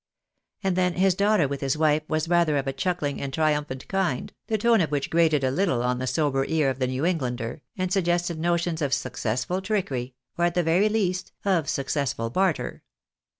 And then his laughter with his wife was rather of a chuckling and tri umphant kind, the tone of which grated a little on the sober ear of QUESTION FOR A LAWYER. 289 file New Englander , and suggested notions of successful trickery, jr, at the very least, of successful barter.